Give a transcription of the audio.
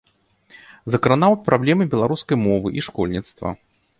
Закранаў праблемы беларускай мовы і школьніцтва.